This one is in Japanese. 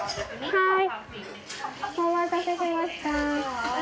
はい。